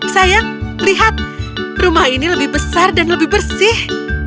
sayang lihat rumah ini lebih besar dan lebih bersih